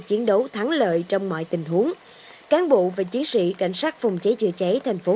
chiến đấu thắng lợi trong mọi tình huống cán bộ và chiến sĩ cảnh sát phòng cháy chữa cháy thành phố